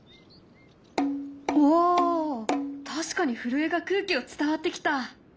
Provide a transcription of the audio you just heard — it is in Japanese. お確かに震えが空気を伝わってきた。